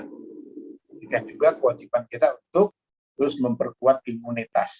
demikian juga kewajiban kita untuk terus memperkuat imunitas